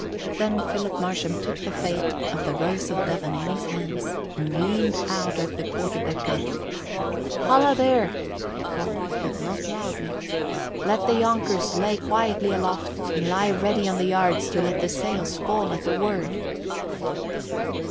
Then Philip Marsham took the fate of the Rose of Devon in his hands and leaned out over the quarter deck gun. "Holla, there!" he called, but not loudly, "Let the younkers lay quietly aloft and lie ready on the yards to let the sails fall at a word."